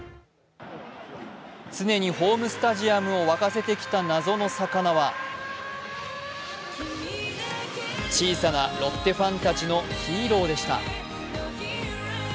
常にホームスタジアムを沸かせてきた謎の魚は小さなロッテファンたちのヒーローでした。